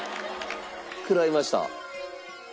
食らいました。